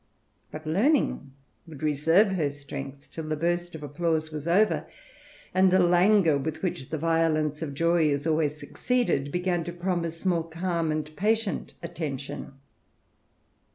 But Learn iHG would reserve her strength till the burst of applause was over, and the languor with which the violence of joy ia always succeeded, began to promise more calm and patient attention.